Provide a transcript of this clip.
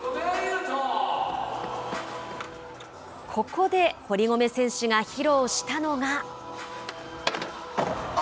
ここで堀米選手が披露したのが。